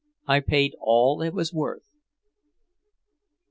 I paid all it was worth."